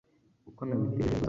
uko nabitekereje ni ko bizaba